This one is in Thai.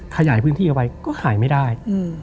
ขยายพื้นที่เอาไว้ก็ขายไม่ได้